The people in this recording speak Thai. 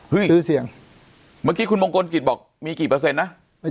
ชื่อเสียงเมื่อกี้คุณมงคลกิจบอกมีกี่เปอร์เซ็นต์นะ